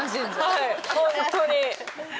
はいホントに。